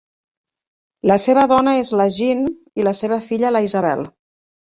La seva dona és la Jean i la seva filla la Isabel.